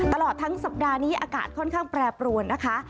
ตลอดทั้งสัปดาห์นี้อากาศค่อนข้างแปรปรวนนะคะ